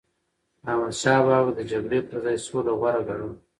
احمدشاه بابا به د جګړی پر ځای سوله غوره ګڼله.